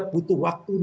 pak m eun